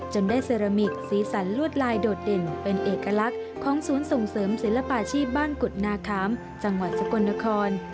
ได้เซรามิกสีสันลวดลายโดดเด่นเป็นเอกลักษณ์ของศูนย์ส่งเสริมศิลปาชีพบ้านกุฎนาคามจังหวัดสกลนคร